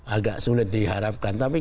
agak sulit diharapkan tapi